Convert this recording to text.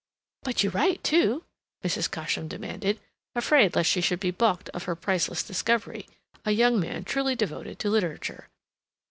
"But you write, too?" Mrs. Cosham demanded, afraid lest she should be balked of her priceless discovery, a young man truly devoted to literature.